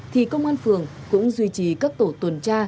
thì công an phường cũng duy trì các tổ tuần tra